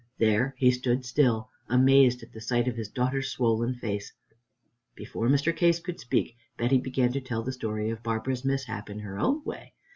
There he stood still, amazed at the sight of his daughter's swollen face. Before Mr. Case could speak, Betty began to tell the story of Barbara's mishap in her own way.